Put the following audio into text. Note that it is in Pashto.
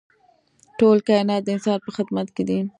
ټول کاینات د انسان په خدمت کې دي.